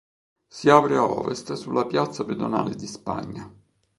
Si apre a ovest sulla piazza pedonale di Spagna.